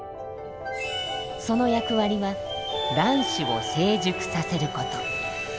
その役割は卵子を成熟させること。